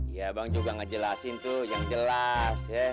ya bang juga ngejelasin tuh yang jelas ya